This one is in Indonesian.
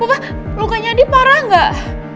bapak lukanya dia parah gak